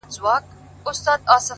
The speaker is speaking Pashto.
• معلم وویل که چیري داسي وسي ,